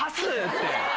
って。